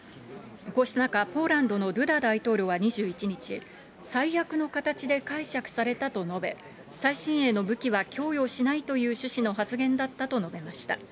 こうした中、ポーランドのドゥダ大統領は２１日、最悪の形で解釈されたと述べ、最新鋭の武器は供与しないという趣旨の発言だったと述べました。